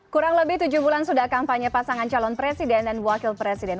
kurang lebih tujuh bulan sudah kampanye pasangan calon presiden dan wakil presiden